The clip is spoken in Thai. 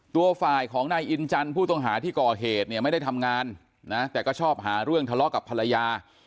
ตัวฝ่ายของนายอินจันทร์ผู้ต้องหาที่ก่อเหตุเนี่ยไม่ได้ทำงานนะแต่ก็ชอบหาเรื่องทะเลาะกับภรรยา